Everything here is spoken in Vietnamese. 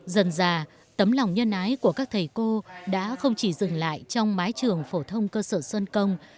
dần già tấm lòng nhân ái của các thầy cô đã không chỉ dừng lại trong mái trường phổ thông cơ sở xuân công